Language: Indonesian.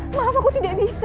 maaf aku tidak bisa